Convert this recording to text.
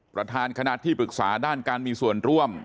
ประธานคณะที่ปรึกษาด้านการมีส่วนร่วม